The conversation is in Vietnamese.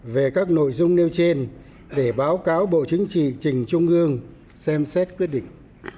về các nội dung nêu trên để báo cáo bộ chính trị trình trung ương xem xét quyết định